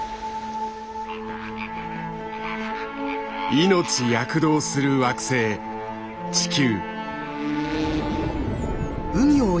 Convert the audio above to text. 命躍動する惑星地球。